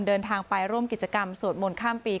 เดินทางไปร่วมกิจกรรมสวดมนต์ข้ามปี